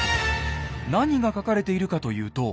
何が書かれているかというと。